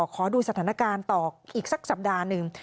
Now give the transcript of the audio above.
ขอดูสถานการณ์ต่ออีกสักสัปดาห์หนึ่ง